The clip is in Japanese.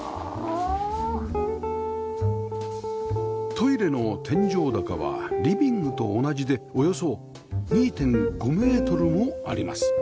トイレの天井高はリビングと同じでおよそ ２．５ メートルもあります